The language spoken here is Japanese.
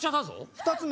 ２つ目？